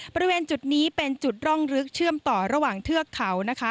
บริเวณจุดนี้เป็นจุดร่องลึกเชื่อมต่อระหว่างเทือกเขานะคะ